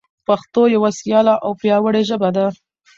پښتو یوه سیاله او پیاوړي ژبه ده.